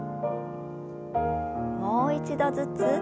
もう一度ずつ。